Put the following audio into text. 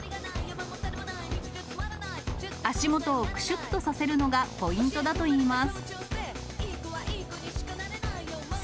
足元をくしゅっとさせるのがポイントだといいます。